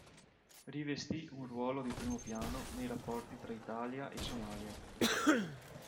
Rivestì un ruolo di primo piano nei rapporti tra Italia e Somalia.